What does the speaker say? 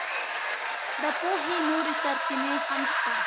د پوهې نورې سرچینې هم شته.